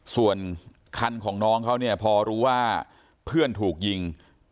ส่วนคันของน้องเขาเนี่ยพอรู้ว่าเพื่อนถูกยิง